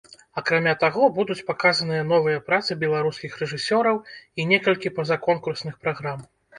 Акрамя таго, будуць паказаныя новыя працы беларускіх рэжысёраў і некалькі пазаконкурсных праграм.